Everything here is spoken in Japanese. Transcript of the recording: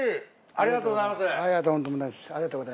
ありがとうございます。